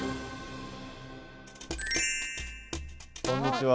こんにちは。